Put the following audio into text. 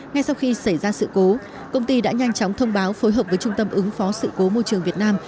ngay sau khi xảy ra sự cố công ty đã nhanh chóng thông báo phối hợp với trung tâm ứng phó sự cố môi trường việt nam